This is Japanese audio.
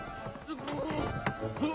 えっ。